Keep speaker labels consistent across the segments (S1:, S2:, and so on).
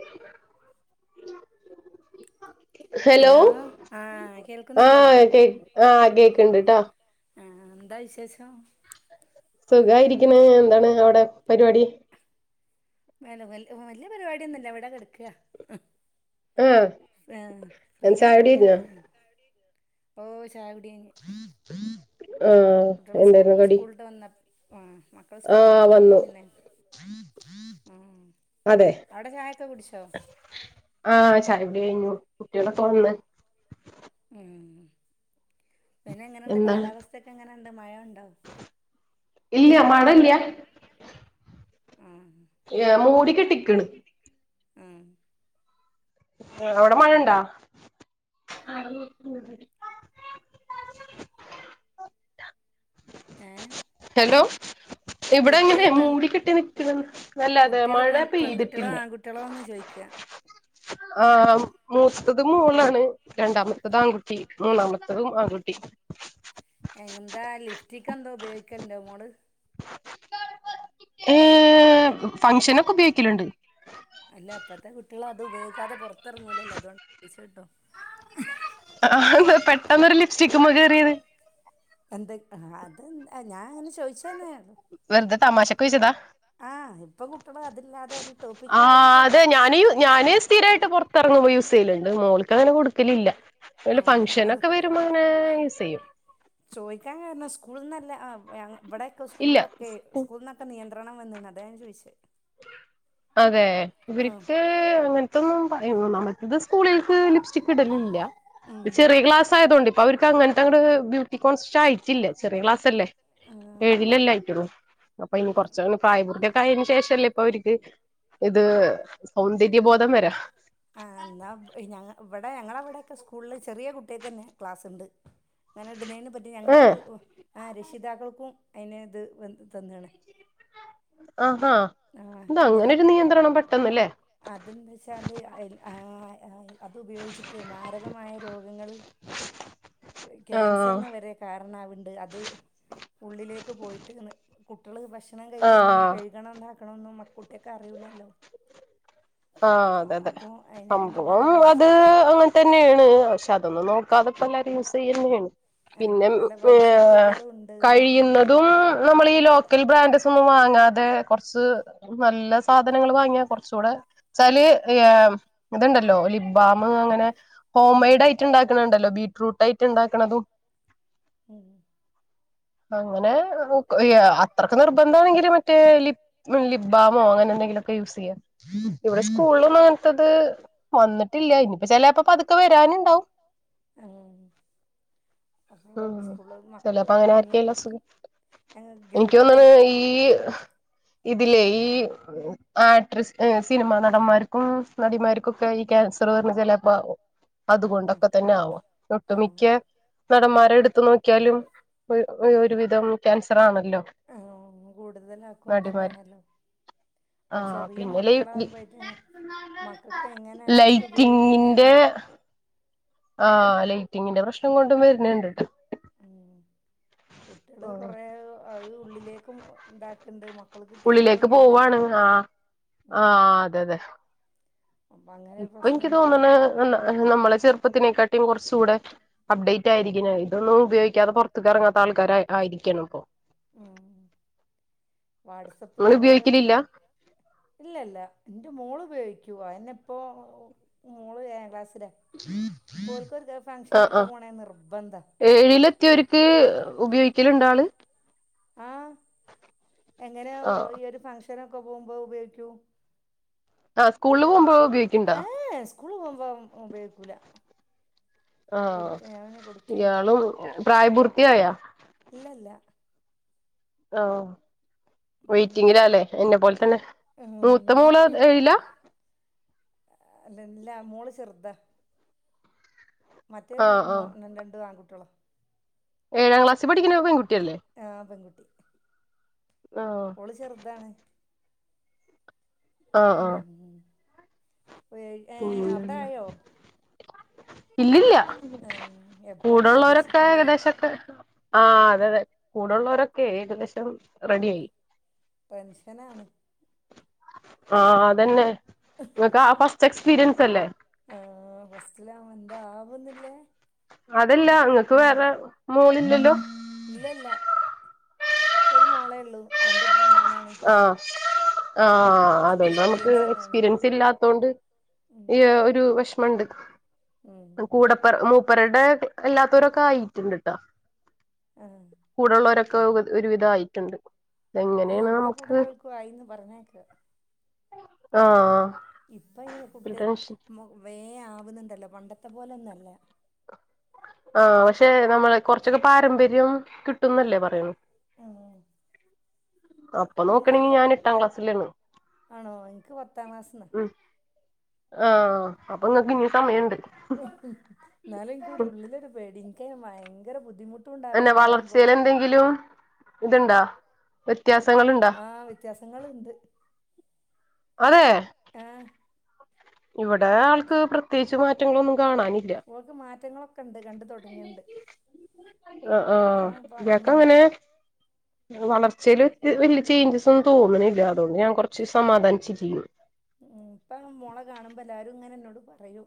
S1: ഉ ഹലോ
S2: ആഹ് കേൾക്കുന്നില്ലേ
S1: ആഹ കേക്ക് ആഹ കേക്ക്ണ്ട്ട്ടാ
S2: ആ ന്താ വിശേഷം
S1: സുഖായിരിക്കണ് എന്താണ് അവിടെ പരിപാടി
S2: വ വല്യ പരിപാടിയൊന്നുംല്ല ഇ വിടെ കിടക്ക
S1: ആ
S2: ആ ഫ്രീയപ്പ ഇങ്ങനെ
S1: ചായുടികഴിഞ്ഞോ
S2: ചായകുടി കഴി
S1: ആഹ എന്തായിരുന്നു കടി
S2: സ്കൂളിട്ട് വന്ന ആ മക്കൾ
S1: ആ
S2: സ്കൂളിട്ട് വന്നപ്പോ
S1: വന്നു
S2: പിന്നെ ഉം
S1: അതെ
S2: അവിടെ ചായൊക്കെ കുടിച്ചോ
S1: ചായ കുടി കഴിഞ്ഞു കുട്ടികളൊക്കെ വന്ന്
S2: ഉം പിന്നെ എങ്ങനെയണ്ട്
S1: എന്താണ്
S2: കാലാവസ്ഥൊക്കെ എങ്ങനെ? ണ്ട് മഴ ഉണ്ടോ?
S1: ഇല്ല മഴയില്ല
S2: ആഹ്
S1: കെട്ടിക്ക്ണ്
S2: ഉം
S1: അവിടെ മഴ ഉണ്ടേ?
S2: ഏഹ്
S1: ഹലോ ഇവിടെ ഇങ്ങനെ മൂടി കെട്ടി നിൽക്ക നല്ലാതെ
S2: കുട്ടികള്
S1: മഴ
S2: പെൺ പെൺകുട്ടികളോ
S1: പെയ്തിട്ടില്ല
S2: ആൺകുട്ടികളോ എന്ന് ചോയിക്കാ
S1: ആ മൂത്തത് മേളാണ് രണ്ടാമത്തത് ആൺകുട്ടി മൂന്നാമത്തതും ആൺകുട്ടി
S2: എന്താ ലിപ്റ്റിക്ക് എന്താ ഉപയോഗിക്കലുണ്ടോ മോള്
S1: ഏഹ് ഫംഗ്ഷന് ഒക്കെ ഉപയോഗിക്കലുണ്ട്
S2: കുട്ടൊള് അത് ഉപയോഗിക്കാതെ പുറത്തിറങ്ങൂലല്ലോ അതുകൊണ്ട് ചോദിച്ചോട്ടെ
S1: ആഹ് പെട്ടെന്നരു ലിപ്സ്റ്റിക്ക്മ്മെ കേയറിയത്
S2: എന്ത് അ അത് ഞാൻ അങ്ങനെ ചോയിച്ച്
S1: വെറുതെ തമാശക്ക് ചോയിച്ചതാ
S2: ആഹ് ഇപ്പൊ കുട്ടികൾ അതില്ലാതെ ഒരു ടോപ്പിക്ക് ആയും
S1: ആഹ്
S2: ചെയ്ത്
S1: അത് ഞാന് യു ഞാന് സ്ഥിരായിട്ട് പൊറത്തെറങ്ങുമ്പോ യൂസെയ്യല് ഇണ്ട് ത് മോൾക്ക് അങ്ങനെ കൊടുക്കലില്ല എന്തേലും
S2: ആഹ് അത്
S1: ഫംഗഷനൊക്കെ വരുമ്പോ ഇങ്ങനെ യൂസ് ചെയ്യും
S2: ചോയിക്കാൻ കാരണം സ്കൂള്ന്നല്ല ആഹ് ഇവ് ഞ ഇവിടെയൊക്കെ സ്കൂളിലൊക്കെ
S1: ഇല്ല
S2: സ്കൂള്ന്നൊക്കെ നിയന്ത് നിയന്ത്രണം വന്ന്ണ് അതാ ഞാൻ ചോയിച്ചേ
S1: അതെ ഇവരിക്ക് അങ്ങൻ ഇതൊന്നും പ നമ്മക്കിത് സ്കൂളിൽക്ക് ലിപ്സ്റ്റിക്ക് ഇടലില്ല
S2: ഉം
S1: ഇത് ചെറിയ ക്ലാസ് ആയതോണ്ടെ ഇപ് അപ്പൊ അവര്ക്ക് അങ്ങനത്തെ അങ്ങട് ബ്യൂട്ടി കോൺസെഷ്യസ് ആയിറ്റില്ല ചെറിയ ക്ലാസ്സല്ലേ
S2: ആഹ്
S1: ഏഴിലല്ലേ ആയിറ്റൊള്ളൂ അപ്പൊ
S2: ഉം
S1: ഇനി കൊറച്ച് പ്രായപൂർത്തിയൊക്കെ ആയേന് ശേഷല്ലേ ഇപ്പൊ അവരിക്ക് ഇത് സൗന്ദര്യബോധം വരാ
S2: ആഹ് ഇന്നാ ഇവ് ഞങ്ങ് ഇവിടെ ഞങ്ങളവിടെക്കെ സ്കൂളില് ചെറിയ കുട്ടിയേക്കെന്നെ ക്ലാസ്ണ്ട് ഞാനിട്‌ന്നേന് [unintelligible] ഞങ്ങക്ക്
S1: ഏഹ്
S2: ആഹ് രക്ഷിതാക്കൾക്കും അയിന് ഇത് വ തന്ന്ണ്
S1: ആഹാ എന്താ അങ്ങനൊരു നിയന്ത്രണം പെട്ടന്ന് ല്ലേ
S2: അതെന്താച്ചാല് അയില് ആഹ് അത് ഉപയോഗിച്ചിട്ട് മാരകമായ രോഗങ്ങള്
S1: ആഹ്
S2: ക്യാൻസറിന് വരെ കാരണവണ്ട് അത് ഉള്ളിലേക്ക് പോയിട്ട്ന്ന് കുട്ടികള് ഭക്ഷണം കഴിക്കുമ്പോ ഒന്നും
S1: ആഹ്
S2: കഴുകണം ഇതാക്കണൊന്നും കുട്ടിയേക്ക് അറിയൂല്ലാല്ലോ
S1: ആഹ് അതെ അതെ
S2: പല
S1: സംഭവം അത്
S2: ഭവിഷ്യത്ത്
S1: അങ്ങനെ തന്നെയാണ് പഷ് അതൊന്നും നോക്കാതെപ്പോ എല്ലാരും യൂസ് ചെയ്യന്നെയാണ്
S2: ആ
S1: പിന്നെ മ്
S2: പല
S1: ഏഹ്
S2: ഭവിഷ്യത്തുകളും ഉണ്ട്ന്ന് പറഞ്ഞിട്ട്
S1: കഴിയുന്നതും നമ്മൾ ഈ ലോക്കൽ ബ്രാൻഡസ് ഒന്നും വാങ്ങാത് തെ കൊറച്ച് നല്ല സാധനങ്ങൾ വാങ്ങിയാ കൊറച്ചൂടെ ച്ചാല് ഏഹ് ഇതുണ്ടല്ലോ ലിബ്ബാമ് അങ്ങനെ ഹോം
S2: ഉം
S1: മെയ്ഡ് ആയിറ്റ് ഇണ്ടാക്കണണ്ടല്ലോ ബീറ്റ്റൂട്ട് ആയിട്ട് ഇണ്ടാക്കണതും
S2: മ്-
S1: അങ്ങനെ അത്രയ്ക്ക് നിർബന്ധമാണെങ്കിൽ മറ്റേ ലിബ് ലിബ്ബാമോ അങ്ങനെ എന്തെങ്കിലും- കെ യൂസ് യ്യാം -
S2: ഉം
S1: ഇവിടെ സ്കൂളൊന്നും അങ്ങനത്തത് വന്നിട്ടില്ല ഇനിയിപ്പോ ചെലപ്പ പതുക്കെ വരാനുണ്ടാവും-
S2: ഉ അപ്പം
S1: ഉം
S2: സ്കൂള് മക്കള്
S1: ചെലപ്പോ അങ്ങനെ
S2: എമ്മീ-
S1: ആർക്കേലും അസുഖം എനിക്ക് തോന്നണ് ഈ- ഇതിലെ ഈ ആട്രസ്നസ്- സിനിമാ നടന്മാർക്കും നടിമാർക്കുംക്കെ ഈ ക്യാൻസർ പറഞ്ഞ ചെലപ്പോ ആകും-
S2: ആഹ്
S1: അതുകൊണ്ടൊക്കെ തന്നെആവാം ഒട്ടുമിക്ക
S2: ആഹ്
S1: നടന്മാരെ എടുത്ത്- ത്ത നോക്കിയാലും ഒര് ഒരുവിധം ക്യാൻസറാണ്
S2: ആ കൂടുതലാക്കും
S1: നടിമാര്
S2: അതന്നേണല്ലോ അപ്പൊ
S1: ആഹ്
S2: ചെറിയ
S1: പിന്നെ ലൈ
S2: മക്കള എങ്ങനെയാണ് ഇത് ഉപയോഗിക്കേണ്ടേന്ന്
S1: ലൈറ്റിങ്ങിന്റെ
S2: അറി
S1: ആ ലൈറ്റിങ്ങിന്റെ പ്രശ്നം കൊണ്ടും വര്ന്ണ്ട്
S2: ഉം കുട്ടികള് കൊറെേ അത് ഉള്ളിലേക്കും ണ്ടാക്ക്ണ്ട് മ
S1: ഉള്ളിലേക്ക് പോവാണ് ആ ആ
S2: ഉം
S1: അതെതെ
S2: അപ്പൊ അങ്ങനെ ഒരു
S1: ഇപ്പൊനിക്ക്
S2: പ്രശ്നണ്ട്
S1: തോന്ന്ണ് നമ്മളെ ചെറു പ്പത്തിനേക്കാട്ടിം കുറച്ചൂടെ അപ്ഡേറ്റ് ആയിരിക്കുഞാൻ ഇതൊന്നും ഉപയോഗിക്കാതെ പുറത്ത്ക്കെറങ്ങാത്ത ആൾക്കാര ആയിരി രിക്കണപ്പോ
S2: ഉം വാട്സപ്പ്
S1: നിങ്ങൾ
S2: ഞങ്ങളകത്തില്
S1: ഉപയോഗിക്കലില്ല
S2: ഇല്ലല്ല ന്റെ മോളുപയോഗിക്കു അയെന്നെ പ്പൊ മോള് ഏയാ ക്ലാസ്സ്
S1: അ
S2: ഫംഗ്ഷനൊക്കെ
S1: ആ
S2: പോണേ നിർബന്ധ
S1: എഴിലത്തിയൊരു ക്ക് ഉപയോഗിക്കലണ്ടാള്
S2: ആ എങ്ങനെയൊ
S1: ആഹ്
S2: ഈ ഒരു ഫങ്ഷനൊക്കെ പോകുമ്പോ ഉപയോഗിക്കൂ
S1: ആ സ്കൂളിൽ പോകുമ്പോ ഉപയോഗിക്ക്‌ണ്ടാ
S2: പ്പം ഉപയോഗിക്കൂല
S1: ആ
S2: കൊടുക്ക ഞാൻ പിന്നെ കൊടുക്കേല്ല
S1: ഇയാളും പ്രായപൂർത്തിയായ
S2: ഇല്ല ഇല്ല
S1: ആ
S2: ഉം
S1: വെയ്റ്റിങ്ങിലാലേ എന്നെ പോൽതന്നെ മൂത്ത മൂള എഴില
S2: അല്ലല്ല മോള് ചെറുതാ മറ്റേ
S1: ആഹ്
S2: മൊ
S1: ആഹ്
S2: രണ്ടു ആൺകുട്ട്യാളാ
S1: ഏഴാം ക്ലാസി പഠിക്ക്‌ണ പെൺകു
S2: ആപെൺകു
S1: ആഹ്
S2: ഓള് ചെറുതാണ്
S1: ആആ
S2: വേ ഏ അവിടെ ആയോ
S1: ഇല്ലില്ല
S2: എപ്പഴും
S1: കൂടെള്ളവരൊക്കെ
S2: പ്രതീക്ഷിക്കല്ലേ
S1: ഏകദേശൊക്കെ ആ അതെതെ കൂടെള്ളോരൊക്കെ ഏകദേശം റെഡി ആയി
S2: ടെൻഷനാണ്
S1: ആ അതന്നെ ങ്ങക്കാ ഫസ്റ്റ് എക്സ്പീരിയൻസല്ലേ
S2: അതാവുന്നില്ലേ
S1: അതല്ല ങ്ങക്ക് വേറെ മോളില്ലല്ലോ
S2: ഇല്ലല്ല ഒരു മോളേള്ളൂ രണ്ട് മോനാണ്
S1: ആ ആ
S2: ഫസ്റ്റ്
S1: അതോണ്ട് നമുക്ക്
S2: എക്സ്പീരിയൻസ് തന്നെയാണ്
S1: എക്സ്പീരിയൻസ് ഇല്ലാത്തോണ്ട്
S2: ഉം
S1: ഈ ഒരു വെഷ് ഷ്മണ്ട്
S2: ഉം
S1: കൂടപ്പർ മൂപ്പരടെ എല്ലാതോരൊക്കെ ആയിട്ടുണ്ട്ട്ടോ
S2: ആ
S1: കൂടെള്ളവരൊക്കെ ഒരു വിധായിട്ടുണ്ട്
S2: ആ വളെ കൂടല്ലോൽക്കുവായിന്ന് പറഞ്ഞേക്ക
S1: ആഹ്
S2: ഇപ്പൊയ്ന്
S1: ഒരു
S2: കുട്ടേ
S1: ടെൻഷൻ
S2: മു വേ ആവുന്നുണ്ടല്ലോ പണ്ടത്തെ പോലൊന്നല്ല
S1: ആ പക്ഷെ നമ്മള കുറച്ചൊക്കെ പാരമ്പര്യം കിട്ടുന്നല്ലേ പറയണ
S2: ആ
S1: അപ്പൊ നോക്കണെങ്കി
S2: ഇന്ക്കൊക്കെ
S1: ഞാൻ എട്ടാം ക്ലാസ്സിലാണ്
S2: ആണോ ഇൻക്ക് പത്താം ക്ലാസ്സ്‌ന്നാ
S1: ആ അപ്പൊങ്ങക്ക് ഇനി സമയണ്ട്
S2: ന്നാലും ഇൻക്കൊരു ഉള്ളിലൊരു പേടി ഇൻക്ക്‌ ഭയങ്കര ബുദ്ധിമു
S1: തന്നെ വളർച്ചെലെന്തെങ്കിലും
S2: ഉം
S1: ഇത്ണ്ടാ വ്യത്യാസങ്ങള്ണ്ടോ
S2: ആഹ് വ്യത്യാസങ്ങള്ണ്ട്
S1: അതേ
S2: ആ
S1: ഇവിടെ ആൾക്ക് പ്രത്യേകിച്ച് മാറ്റങ്ങളൊന്നും കാണാനില്ല
S2: മാറ്റങ്ങളൊക്കെ ഉണ്ട് കണ്ട് തുടങ്ങിണ്ട്
S1: ആ ആഹ് ഇയാക്ക് അങ്ങനെ വളർച്ചെല് ഒത്ത് വല്യ ചേഞ്ചസൊന്നും തോന്ന്ണെല്ല അതുകൊണ്ട് ഞാൻ കുറച്ച് സമാധാനിച്ചിരിക്കുന്നു
S2: ഉം ഇപ്പം മോളെ കാണുമ്പോ എല്ലാരും ഇങ്ങനെ എന്നോട് പറയും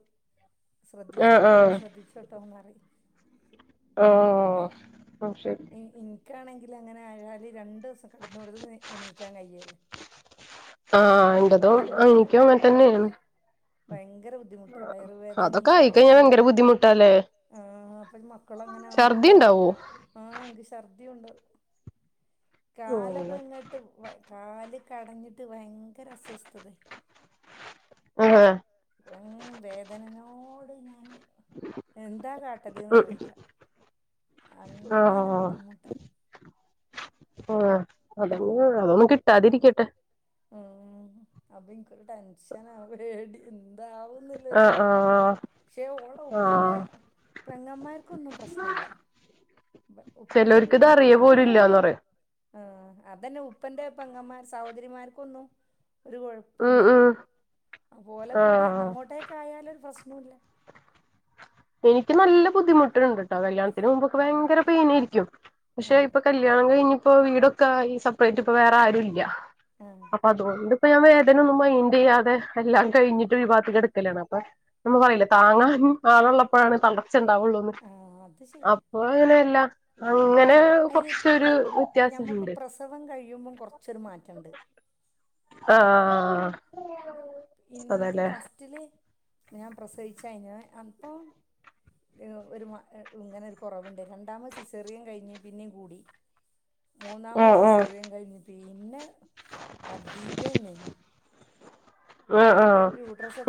S1: ആഹ്
S2: ശ്രദ്ധിച്ചോട്ടോ
S1: ആഹ്
S2: ശ്രദ്ധിച്ചോട്ടോ ന്ന്റയും
S1: ഓ ഒ ശെരി
S2: ക്കാണെങ്കിൽ അങ്ങനെ ആയാല് രണ്ടു ഈസം കെടന്നോടത്തുന്ന് എണീക്കാൻ കയ്യേല്ലേ
S1: ആഹ് ഇന്റെതും അങ്ങിക്കോ തന്നെയാണ്
S2: ഭയങ്കര ബുദ്ധിമുട്ടാ വയറുവേദനിം
S1: അതൊക്കെ ആയിക്കയിഞ്ഞ
S2: ഛർദിയും
S1: ഭയങ്കര ബുദ്ധിമുട്ടല്ലെ
S2: ആഹ് അപ്പൊ മക്കള അങ്ങനെ ആവുമ്പോ
S1: ഛർദി
S2: വാവോ
S1: ഉണ്ടാവോ
S2: ആഹ് എനിക്ക് ശർ ണ്ട് കാലൊക്കെ ഇങ്ങട്ട് വ കാല് കടഞ്ഞിട്ട് ഭയ ങ്കര അസസ്തോതെ
S1: ആഹ്
S2: ഉം വേദനനോട് ഞാന് എന്താ
S1: ഉം
S2: കാട്ടണ്ടെന്നറിയില്ല
S1: ആഹ് ആഹ്
S2: ഉം
S1: അതന്നെയാ അതൊന്നും കിട്ടാതിരിക്കട്ടെ
S2: ഉം അപ്പൊ ഇനിക്കൊരു ടെൻഷനാ ആ പേടി
S1: ആഹ് ആഹ് ആഹ്
S2: പഷേ ഓളെ ഉപ്പന്റെ പെങ്ങൻമാർക്കൊന്നും പ്രശ്നല്ല ഉപ്പന്റെ
S1: ചെലവർക്ക് ഇത് അറിയ പോലുംല്ലന്ന് പറയും
S2: ആഹ് അതന്നെ ഉപ്പന്റെ പെങ്ങൻമാർ സഹോദരിമാർക്കൊന്നും ഒരു
S1: ഉം
S2: കൊഴപ്പൊല്ല
S1: ഉം
S2: ഒലെകൂടെ
S1: ആഹ്
S2: അങ്ങോട്ടേക്കായാല് ഒരു പ്രശ് ഒന്നുല്ല
S1: എനിക്ക് നല്ല ബുദ്ധിമുട്ടുണ്ട്ട്ടോ കല്യാണത്തിന് മുമ്പൊക്കെ ഭയങ്കര പെയിന് ആരിക്കും
S2: ആ
S1: പഷേ ഇപ്പൊ കല്യാണം കഴിഞ് ഇപ്പോ വീടൊക്കെ ഈ സെപ്പറേറ്റ് ഇപ്പ വേറെ ആരും ഇല്ല
S2: ആ
S1: അപ്പൊ അത് കൊണ്ട് ഇപ്പൊ ഞാൻ വേദന ഒന്നും മൈന്റ് ചെയ്യാതെ എല്ലാം കഴിഞ്ഞിട്ട് ഒര് ഭാഗത്ത് കേടക്കലാണ് അപ്പൊ നമ്മ പറയില്ല താങ്ങാ ഉം ആളുള്ളപ്പോഴാണ് തളർച്ച ഉണ്ടാവൊള്ളൂന്ന്
S2: ആ അത് ശരിയാ
S1: അപ്പൊ അങ്ങനെല്ല അങ്ങനെ
S2: അതിന്
S1: കൊറച്ചോരു
S2: ഇപ്പം
S1: വ്യത്യാസം
S2: ഞമ്മക്ക്
S1: ഇണ്ട്
S2: പ്രസവം കഴിയുമ്പം കൊറച്ചൊരു മാറ്റണ്ട്
S1: ആഹ്
S2: എനിക്ക്
S1: അതെല്ലേ
S2: ഫസ്റ്റില് ഞാൻ പ്രസവിച്ചയ്ന്ന് അപ്പം ഒരു മ ഇങ്ങനെ ഒരു കൊറവ്ണ്ട് രണ്ടാമത് സിസെറിയൻ കഴിഞ് പിന്നേം കൂടി മൂന്നാമത്
S1: ആഹ് ആഹ്
S2: സിസറിയൻ കഴിഞ് പിന്നെ അധികംആനെനി
S1: ആഹ് ആഹ്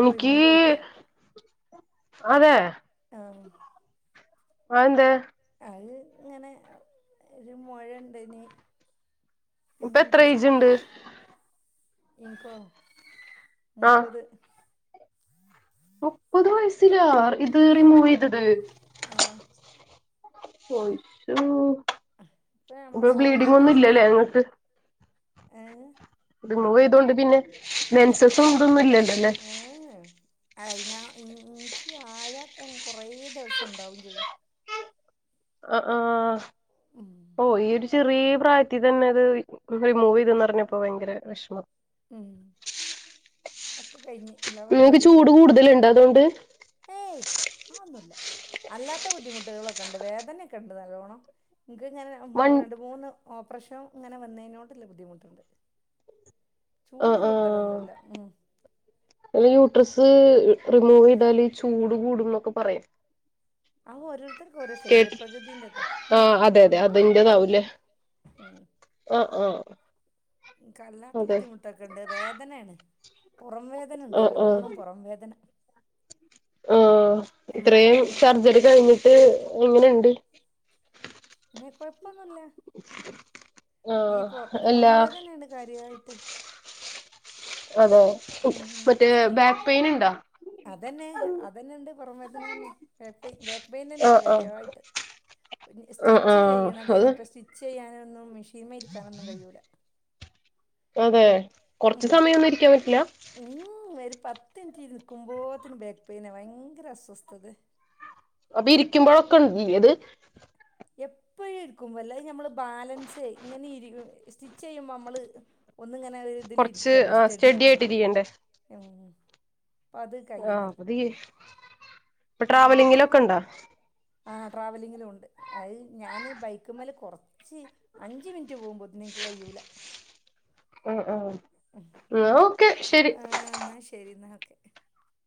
S1: എനിക്ക്
S2: റിമൂവ് ചെയ്ത്
S1: അതെ
S2: ആഹ്
S1: ആയെന്തെ
S2: അയ് ഇങ്ങനെ ഒര് മോഴണ്ടന്
S1: ഇപ്പൊ എത്ര ഏയ്ജ്ണ്ട്
S2: ഇൻകോ
S1: ആഹ്
S2: മുപ്പത്
S1: മുപ്പത് വയസ്സിലാ ഇത് റിമൂവ് ചെയ്തത്
S2: ആഹ്
S1: ഒരു
S2: ഇപ്പം നമ്മളെ
S1: ഇപ്പൊ ബ്ലീഡിങ്
S2: സാഹചര്യം
S1: ഒന്നും
S2: അങ്ങനെ
S1: ഇല്ലല്ലേ ഇങ്ങക്ക് മൂവ് ചെയ്തകൊണ്ട് പിന്നെ
S2: ഏ
S1: മെൻസസും ഇതൊന്നും ഇല്ലല്ലെ
S2: ഏഹ് അയിന ഈ ഇനിക്ക് ആഴത്തന്നെ കൊറ ദിവസം ഉണ്ടാവും ചെയ്യും
S1: ആ ആഹ
S2: ഉം
S1: ഓ ഈ ഒരു ചെറിയ പ്രായത്തിൽ തന്നെ അത് റിമൂവ് ചെയ്തന്ന് പറഞ്ഞപ്പോ ഭയങ്കര വിഷമം
S2: ഉം അക്കെ കയിഞ്ഞ്
S1: നിങ്ങക്ക് ചൂട് കൂടുതലുണ്ട അതുകൊണ്ട്
S2: ആ ഒന്നുല്ല അല്ലാത്ത ബുദ്ധിമുട്ടുകളൊക്കെ ഒണ്ട് വേദനൊക്കെ ഒണ്ട് നല്ലോണം- ക്ക് ഇങ്ങനെ
S1: വൺ
S2: രണ്ട് മൂന്ന് ഓപ്പ്- പ്രശ്നം ഇങ്ങനെ വന്നേനോട്ല്ല ബുദ്ധിമുട്ടുണ്ട്-
S1: ആ
S2: ചൂട്
S1: ആ
S2: കൂടുതലൊന്നുല്ല ഉം-
S1: ഡ്രസ്സ് റിമൂവ് ചെയ്താലീ ചൂട് കൂടും ന്നൊക്കെ പറയും-
S2: ആഹ് ഓരോരുത്തർക്കും ഓരോ ശരീര പ്രകൃതിന്റെതാ എക്ക് കുഴപ്പൊന്നുല്ല ഇപ്പല്ല-
S1: ആഹ് ആഹ് -
S2: ക്ക് ല്ലാത്ത ബുദ്ധിമുട്ടൊക്കെ ഇണ്ട് വേദനയാണ്- പുറം വേദന ഒണ്ട്
S1: ആ
S2: നല്ലോണം പൊറം വേദന-
S1: ആഹ്
S2: നമ്മൾ
S1: ഇത്രയും
S2: തന്നെ
S1: സർജറി കഴിഞ്ഞിട്ട് എങ്ങനെയൊണ്ട്-
S2: ഇപ്പന്നുല്ല
S1: ആ
S2: ഈ പൊറം പൊറം
S1: എല്ലാ
S2: വേദനയ്ണ്ട് കാര്യായിട്ട്-
S1: അതെ
S2: ഈ
S1: മറ്റേ
S2: സ്റ്റി
S1: ബാക്ക് പെയിൻ ഇണ്ടോ?
S2: അതന്നെ അതന്നെയൊണ്ട് പൊറം വേദനന്നെ ബാക്ക് ബാക്ക് പെയിൻ തന്നെയാണ്
S1: ആഹ് ആഹ്
S2: കാര്യായിട്ട്-
S1: ആഹ്
S2: സ്റ്റിച്ച്
S1: ആഹ്
S2: ചെയ്യണത്
S1: അത്
S2: യിനീപ്പ സ്റ്റിച്ച് ചെയ്യാനൊന്നും മെഷീന്മേ ഇരിക്കാനൊന്നും കഴിയൂല-
S1: അതെ കൊറച്ച്
S2: ഉം.
S1: സമയയൊന്നും ഇരിക്കാൻ പറ്റില്ല-
S2: ഉം, ഒരു പത്ത് മീറ്റ് ഇരിക്കുമ്പോത്തിന് ബാക്ക് പെയിന ഭയങ്കര അസ്വസ്ഥതയാ-
S1: അപ്പൊ [unintelligible] ഇരിക്കുമ്പോഴൊക്കെ [unintelligible]
S2: എപ്പഴും ഇരിക്കും വല്ലാതെ നമ്മള് ബാലൻസ് ഇങ്ങനെ ഇരി- സ്റ്റിച്ച് ചെയ്യുമ്പോ നമ്മള് ഒന്ന് ഇങ്ങനെ ഇതില്
S1: കൊറച്ച്
S2: ഇരിക്കുവല്ലോ സ്റ്റഡി-
S1: ആയിട്ട് ഇരിക്കണ്ടേ
S2: അത്
S1: ആഹ്
S2: കഴിയണില്ല
S1: പുതിയ് ഇപ്പൊ
S2: ഉം
S1: ട്രാവലിങ്ങിലൊക്കെ ഇണ്ടോ
S2: ആ ട്രാവലിങ്ങിലും ഒണ്ട് അത് ഞാന് ബൈക്കും മേലെ കൊറച്ച് അഞ്ച് മിനിറ്റ് പോകുമ്പോ- എനിക്ക് കഴിയൂല
S1: ആ ഹ് ആഹ് ഓക്കെ ശരി
S2: ആ എന്നാൽ [unintelligible]